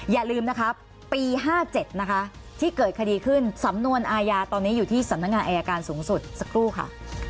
อย่าลืมนะครับปี๕๗นะคะที่เกิดคดีขึ้นสำนวนอาญาตอนนี้อยู่ที่สำนักงานอายการสูงสุดสักครู่ค่ะ